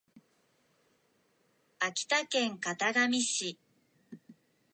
秋田県潟上市